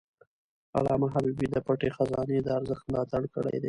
علامه حبيبي د پټه خزانه د ارزښت ملاتړ کړی دی.